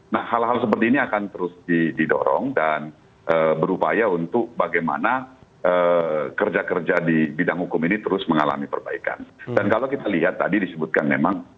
nah hal hal seperti ini akan terus didorong dan berupaya untuk bagaimana kerja kerja di bidang hukum ini terus mengalami perbaikan